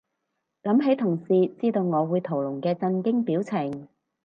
諗起同事知道我會屠龍嘅震驚表情